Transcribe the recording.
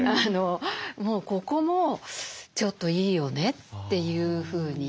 もうここもちょっといいよねというふうに。